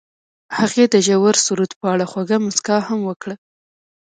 هغې د ژور سرود په اړه خوږه موسکا هم وکړه.